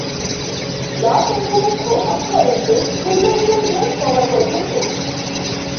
Loss Angeles ও Moscow Olympic, Delhi Asian Games cover করেছেন তিনি।